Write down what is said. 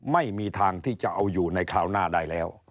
ไม่มีทางที่จะเอาอยู่ในคราวหน้าได้แล้ว